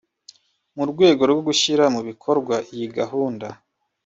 mu rwego rwo gushyira mu bikorwa iyi gahunda